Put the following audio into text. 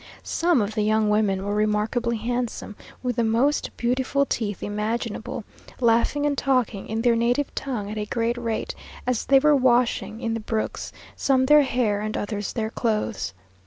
Some of the young women were remarkably handsome, with the most beautiful teeth imaginable, laughing and talking in their native tongue at a great rate, as they were washing in the brooks, some their hair and others their clothes.